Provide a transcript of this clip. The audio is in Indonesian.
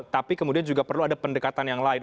tapi kemudian juga perlu ada pendekatan yang lain